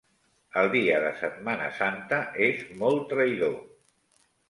El dia de Setmana Santa és molt traïdor.